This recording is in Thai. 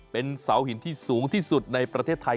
เป็นเสาหินที่สูงที่สุดในประเทศไทย